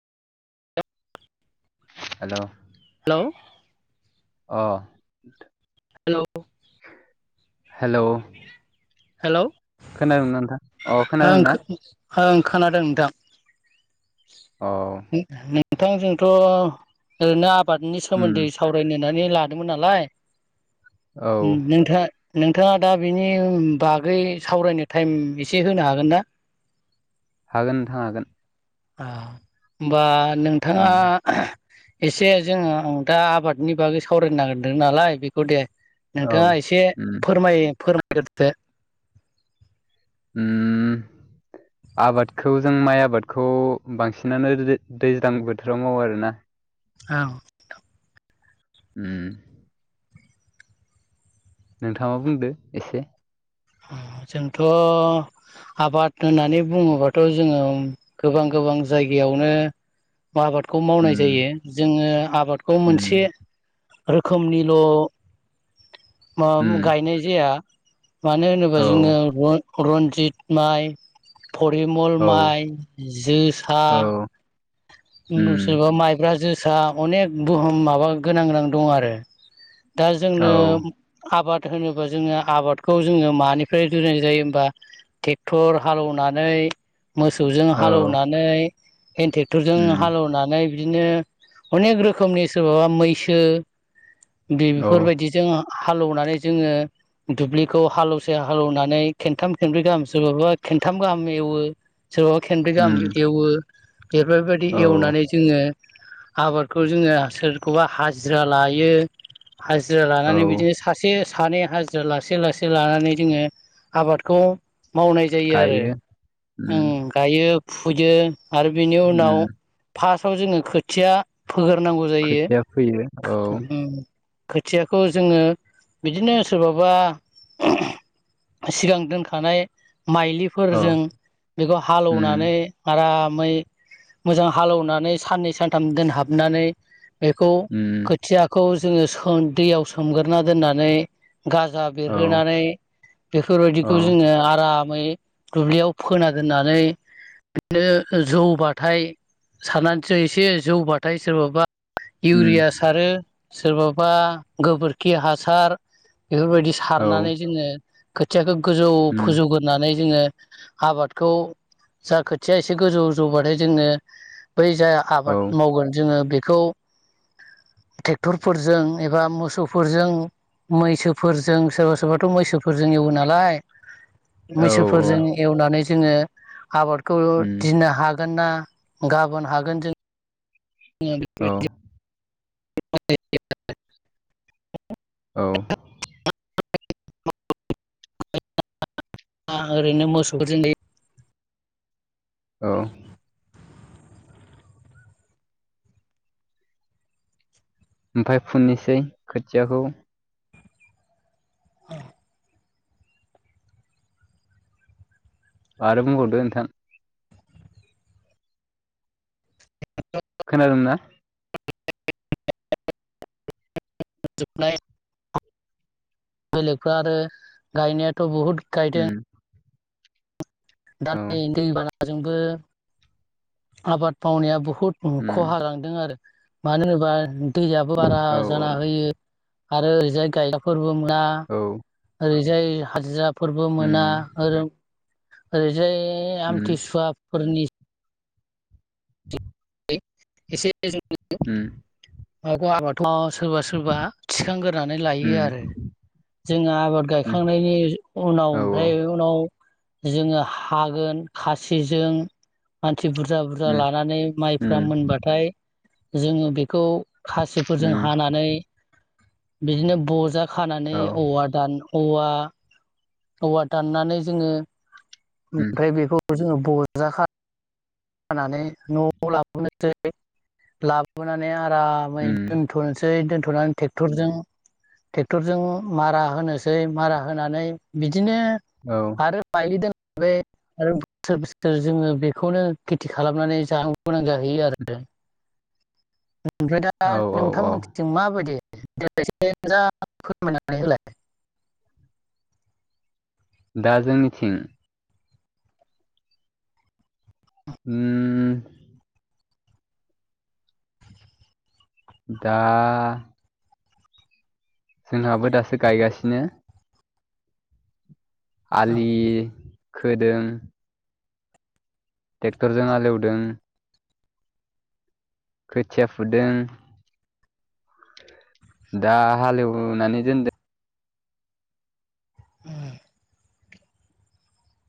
हेल' hello अ [inaudible] हेल' hello hello खोनादोंना नोथां? ओं खो ओं खोनादों नोंथां औ [unintelligible] नोंथांजोंथ' ओरैनो आबादनि सोमोन्दै उम सावरायनो होन्नानै लादोंमोन नालाय। औ [unintelligible] नोंथाङा-नोंथाङा दा बिनि बागै सावरायनो टाइम एस से होनो हागोन ना? हागोन नोंथां हागोन। आ होनबा नोंथा उम एसे जोङो दा आबादनि बागै सावरायनो नागिरदों नालाय बेखौ दे औ नोंथाङा एसे उम फोरमाय-फोरमायग्रोदो। उम [inaudible] आबादखौ जों माइ आबादखौ बांसिनानो [unintelligible] दैज्लां बोथोराव मावो आरोना औ उम नोंथाङा बुंदो एसे। जोंथ' आबाद होननानै बुङोबाथ' जोङो गोबां-गोबां जायगायावनो आबादखौ मावनाय उम जायो जोङो आबादखौ उम मोनसे रोखोमनिल' मा उम गायनाय जाया मानो होनोबा औ जोङो रन रन्जित माइ फरिमल औ माइ जोसा औ उम माइब्रा जो जोसा अनेक बुहुम माबा गोनां गोनां दं आरो दा औ जोंनो आबाद होनोबा जोङो आबादखौ जोङो मानिफ्राय जोरायनाय जायो होमबा टेक्टर हाल एवनानै मोसौजों हाल औ एवनानै हेन टेक्टरजों उम हाल एवनानै बिदिनो अनेक रोखोमनि सोरबाबा मैसो बे औ बेफोरबायदिजों हाल एवनानै जोङो दुब्लिखौ हाल एवसे हाल एवनानै खेनथाम खेनब्रै गाहामसोबाबो खेनथाम गाहाम एवो सोरबाबा खेनब्रै गाहाम उम एवो बेफोरबायदि औ एवनानै जोङो आबादखौ जोङो सोरखौबा हाजिरा लायो हाजिरा औ लानानै बिदिनो सासे सानै हाजिरा लासै लासै लानानै जोङो आबादखौ मावनाय जायो आरो गायो उम ओम गायो फुयो आरो बिनि उम उनाव फार्स्टआव जोङो खोथिया फोगोरनांगौ जायो खोथिया फैयो औ ओम खोथियाखौ जोङो बिदिनो सोरबाबा सिगां दोनखानाय औ माइलिफोरजों बेखौ हाल उम एवनानै आरामै मोजां हालौनानै साननै सानथाम दोनहाबनानै बेखौ उम खोथियाखौ जोङो सोन दैयाव सोमग्रोना दोननानै गाजा औ बेरहोनानै बेफोरबायदिखौ औ जोङो आरामै दुब्लियाव फोना दोननानै बिदिनो जौ बाथाय सारनानैसो एसे जौबाथाय सोरबाबा उम इउरिया सारो सोरबाबा गोबोरखि हासार बेफोरबायदि औ सारनानै जोङो खोथियाखौ गोजौ उम फोजौग्रोनानै जोङो आबादखौ जा खोथिया एसे गोजौ जौबाथाय जोङो बै जाय औ आबाद मावगोन जोङो बेखौ टेक्टरफोरजों एबा मोसौफोरजों मैसोफोरजों सोरबा सोरबाथ' मैसोफोरजों एवो नालाय औ मैसोफोरजों एवनानै जोङो आबादखौ उम दिनो हा गोनना गाबोन हागोन जों जोंहा औ बेफोरबादि [unintelligible] औ आ ओरैनो मोसौ जों गायो औ ओमफाय फुननोसै खोथियाखौ आरो बुंबावदो नोंथां खोनादोंना जोबनाय बेलेगफ्रा आरो गायनायाथ' बहुद गायदों उम दा औ दैबानाजोंबो आबाद मावनाया बहु द उम खहा लांदों आरो मानो होनोबा दैयाबो बारा औ जाना होयो आरो ओरैजाय गायगफोरबो मोना औ ओरैजाय हाजिरा फोरबो मोना उम ओ ओरैजाय उम आमथिसुवाफोरनि [unintelligible] उम सोरबा सोरबा थिखांग्रोनानै लायो आरो उम जोंङो आबाद उम गायखांनायनि उनाव औ औ ओमफ्राय उनाव जोङो हागोन खासिजों मानसि बुरजा बुरजा उम लानानै माइ फुरा उम मोनबाथाय जोङो बेखौ खासिफोरजों उम हानानै बिदिनो बजा खानानै औ औवा दान औवा औवा दाननानै जोङो उम ओमफ्राय बेखौ जोङो बजा। खानानै न'आव लाबोनोसै लाबोनानै आरो आरामै उम दोनथ'नोसै। नानै ट्रेक्टर जों मारा होनोसै मारा होनानै बि बिदिनो औ आरो मायलि दोनबाय आरो बोसोर बोसोर जोङो बेखौनो खेथि खालामनानै जानो गोनां जाहैयो आरो। ओमफ्राय दा औ औ औ नोंथांमोनथिं माबायदि? जा फोरमायनानै होलाय दा जोंनिथिं उम दा जोंहाबो दासो गायगासिनो। आलि खोदों। ट्रेक्टरजों हालेवदों। खोथिया फुदों। दा हालेवनानै दोनदों। ए